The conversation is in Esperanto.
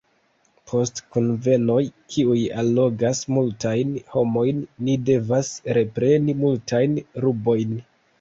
Post kunvenoj, kiuj allogas multajn homojn, ni devas repreni multajn rubojn.